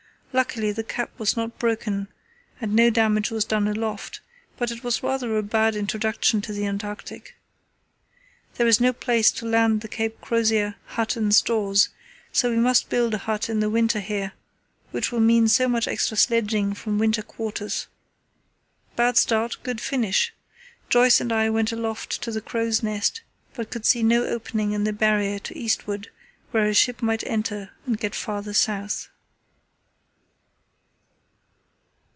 Luckily the cap was not broken and no damage was done aloft, but it was rather a bad introduction to the Antarctic. There is no place to land the Cape Crozier hut and stores, so we must build a hut in the winter here, which will mean so much extra sledging from winter quarters. Bad start, good finish! Joyce and I went aloft to the crow's nest, but could see no opening in the Barrier to eastward where a ship might enter and get farther south."